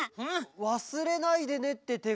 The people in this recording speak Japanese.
「わすれないでね」っててがみ？